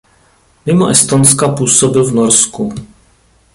Mimo Estonska působil v Norsku.